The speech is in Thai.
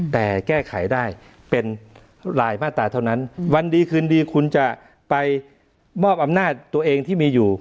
แต่แก้ไขได้เป็นรายมาตราเท่านั้นวันดีคืนดีคุณจะไปมอบอำนาจตัวเองที่มีอยู่